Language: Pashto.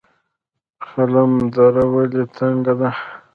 خلم دره ولې تنګه ده؟